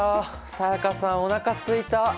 才加さんおなかすいた！